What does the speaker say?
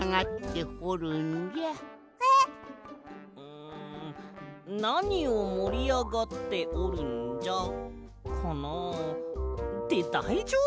ん「なにをもりあがっておるんじゃ」かなあ？ってだいじょうぶ？